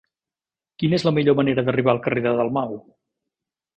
Quina és la millor manera d'arribar al carrer de Dalmau?